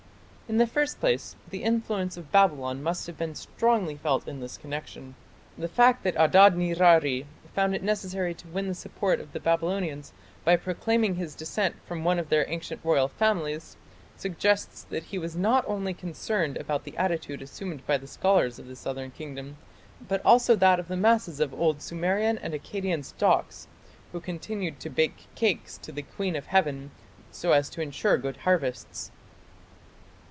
In the first place the influence of Babylon must have been strongly felt in this connection. The fact that Adadnirari found it necessary to win the support of the Babylonians by proclaiming his descent from one of their ancient royal families, suggests that he was not only concerned about the attitude assumed by the scholars of the southern kingdom, but also that of the masses of old Sumerian and Akkadian stocks who continued to bake cakes to the Queen of Heaven so as to ensure good harvests.